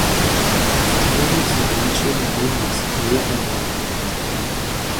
رفتار او سرمشقی برای نسلهای آینده بود.